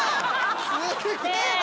すげえな！